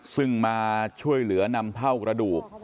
ซึ่งมาช่วยเหลือนำเผาไก่เองไปได้นะครับ